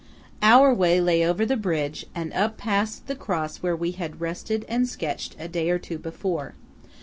Our way lay over the bridge and up past the cross where we had rested and sketched a day or two before.